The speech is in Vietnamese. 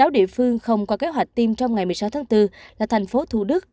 sáu địa phương không có kế hoạch tiêm trong ngày một mươi sáu tháng bốn là thành phố thủ đức